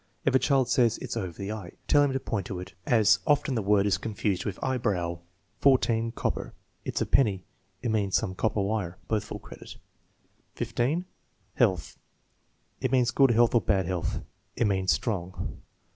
If the child says, "It's over the eye," tell him to point to it, as often the word is confused with eyebrow. 14. Copper, "It's a penny." "It means some copper wire." (Both full credit.) 228 THE MEASUREMENT OF INTELLIGENCE 15. Health. "It means good health or bad health." "It means strong."